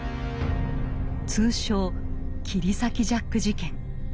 通称切り裂きジャック事件。